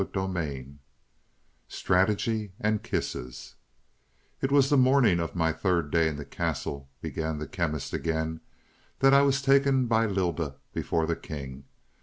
CHAPTER VI STRATEGY AND KISSES "It was the morning of my third day in the castle," began the Chemist again, "that I was taken by Lylda before the king.